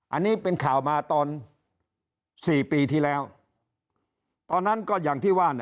อันนี้เป็นข่าวมาตอน๔ปีที่แล้วตอนนั้นก็อย่างที่ว่า